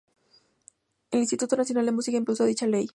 El Instituto Nacional de la Música impulsó dicha Ley.